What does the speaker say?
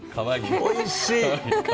おいしい！